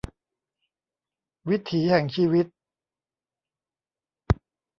วิถีแห่งชีวิต